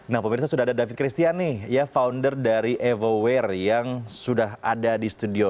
nah pemirsa sudah ada david christian nih ya founder dari evoware yang sudah ada di studio